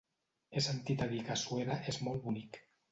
He sentit a dir que Suera és molt bonic.